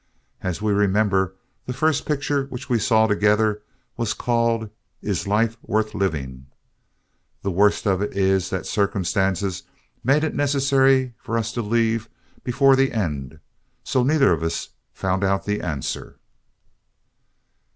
As we remember, the first picture which we saw together was called "Is Life Worth Living?" The worst of it is that circumstances made it necessary for us to leave before the end and so neither of us found out the answer.